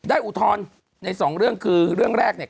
อุทธรณ์ในสองเรื่องคือเรื่องแรกเนี่ย